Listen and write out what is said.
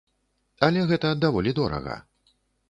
Але гэта даволі дорага.